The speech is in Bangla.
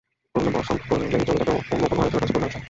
করুণা বর্ষণ করলেই চলে যাবে অন্য কোনো আরেকজনের কাছে করুণার আশায়।